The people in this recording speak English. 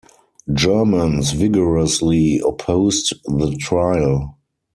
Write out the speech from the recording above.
Germans vigorously opposed the trial.